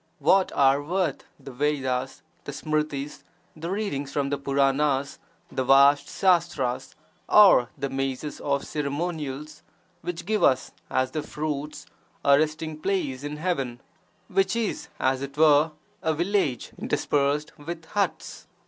What are worth the Vedas, the Smrtis, the readings from the Puranas, the vast sastras, or the mazes of ceremonials, which give us, as their fruits, a resting place in heaven, (which is, as it were,) a village (interspersed) with huts!